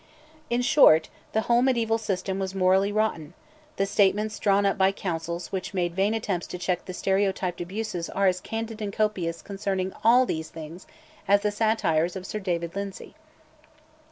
In short, the whole mediaeval system was morally rotten; the statements drawn up by councils which made vain attempts to check the stereotyped abuses are as candid and copious concerning all these things as the satires of Sir David Lyndsay.